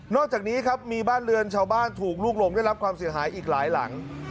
จากนี้ครับมีบ้านเรือนชาวบ้านถูกลูกหลงได้รับความเสียหายอีกหลายหลัง